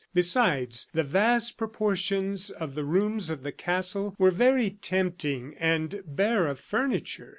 Besides, the vast proportions of the rooms of the castle were very tempting and bare of furniture.